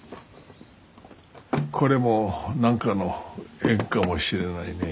これも何かの縁かもしれないね。